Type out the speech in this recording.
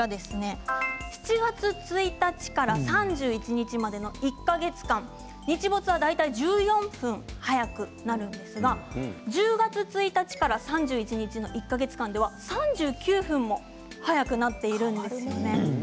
７月１日から３月３１日までの１か月間、日没は大体１４分早くなるんですが１０月１日から３１日までの１か月間では３９分も早くなっているんですね。